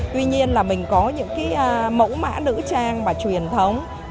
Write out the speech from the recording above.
tuy nhiên mình có những mẫu mã nữ trang và truyền thống